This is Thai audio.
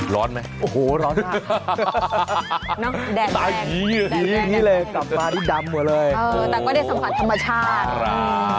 ร้อนไหมโอ้โฮร้อนมากค่ะฮ่า